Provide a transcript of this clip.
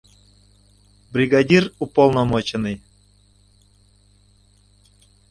Бригадир — уполномоченный.